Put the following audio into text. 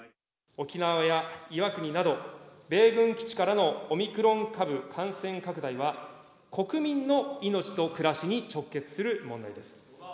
沖縄や岩国など、米軍基地からのオミクロン株感染拡大は国民の命と暮らしに直結する問題です。